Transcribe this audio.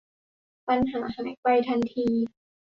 ปัญหาหายไปทันที